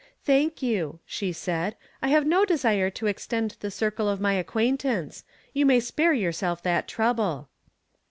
" Thank you," she said, " I have no desire to extend the circle of my acquaintance. You may spare yourself that trouble."